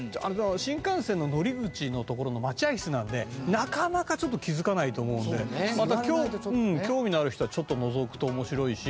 新幹線の乗り口の所の待合室なのでなかなかちょっと気付かないと思うのでまた興味のある人はちょっとのぞくと面白いし。